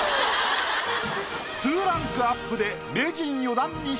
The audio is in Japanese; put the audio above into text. ２ランクアップで。